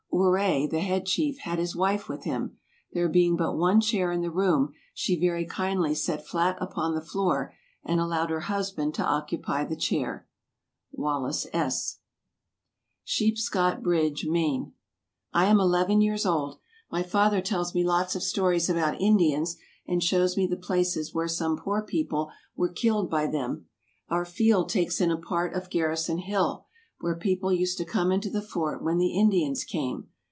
Ouray, the head chief, had his wife with him. There being but one chair in the room, she very kindly sat flat upon the floor, and allowed her husband to occupy the chair. WALLACE S. SHEEPSCOTT BRIDGE, MAINE. I am eleven years old. My father tells me lots of stories about Indians, and shows me the places where some poor people were killed by them. Our field takes in a part of Garrison Hill, where people used to come into the fort when the Indians came.